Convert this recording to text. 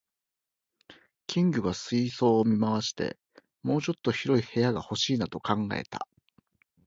金魚が水槽を見回して、「もうちょっと広い部屋が欲しいな」と考えた